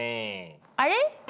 あれ？